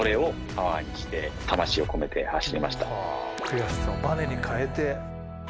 悔しさをバネに変えて。